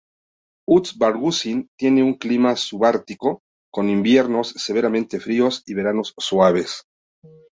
Ust-Barguzín tiene un clima subártico con inviernos severamente fríos y veranos suaves.